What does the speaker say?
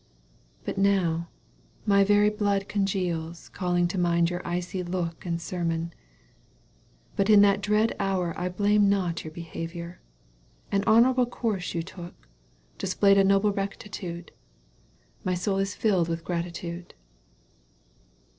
But now— my very blood congeals, Calling to mind your icy look And sermon — ^but in that dread hour I blame not your behaviour — An honourable course ye took^ Displayed a noble rectitude — My soul is filled with gratitude